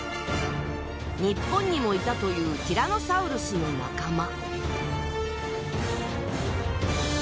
日本にもいたというティラノサウルスの仲間。